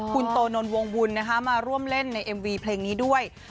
คุณโตนนทวงบุญนะคะมาร่วมเล่นในเอ็มวีเพลงนี้ด้วย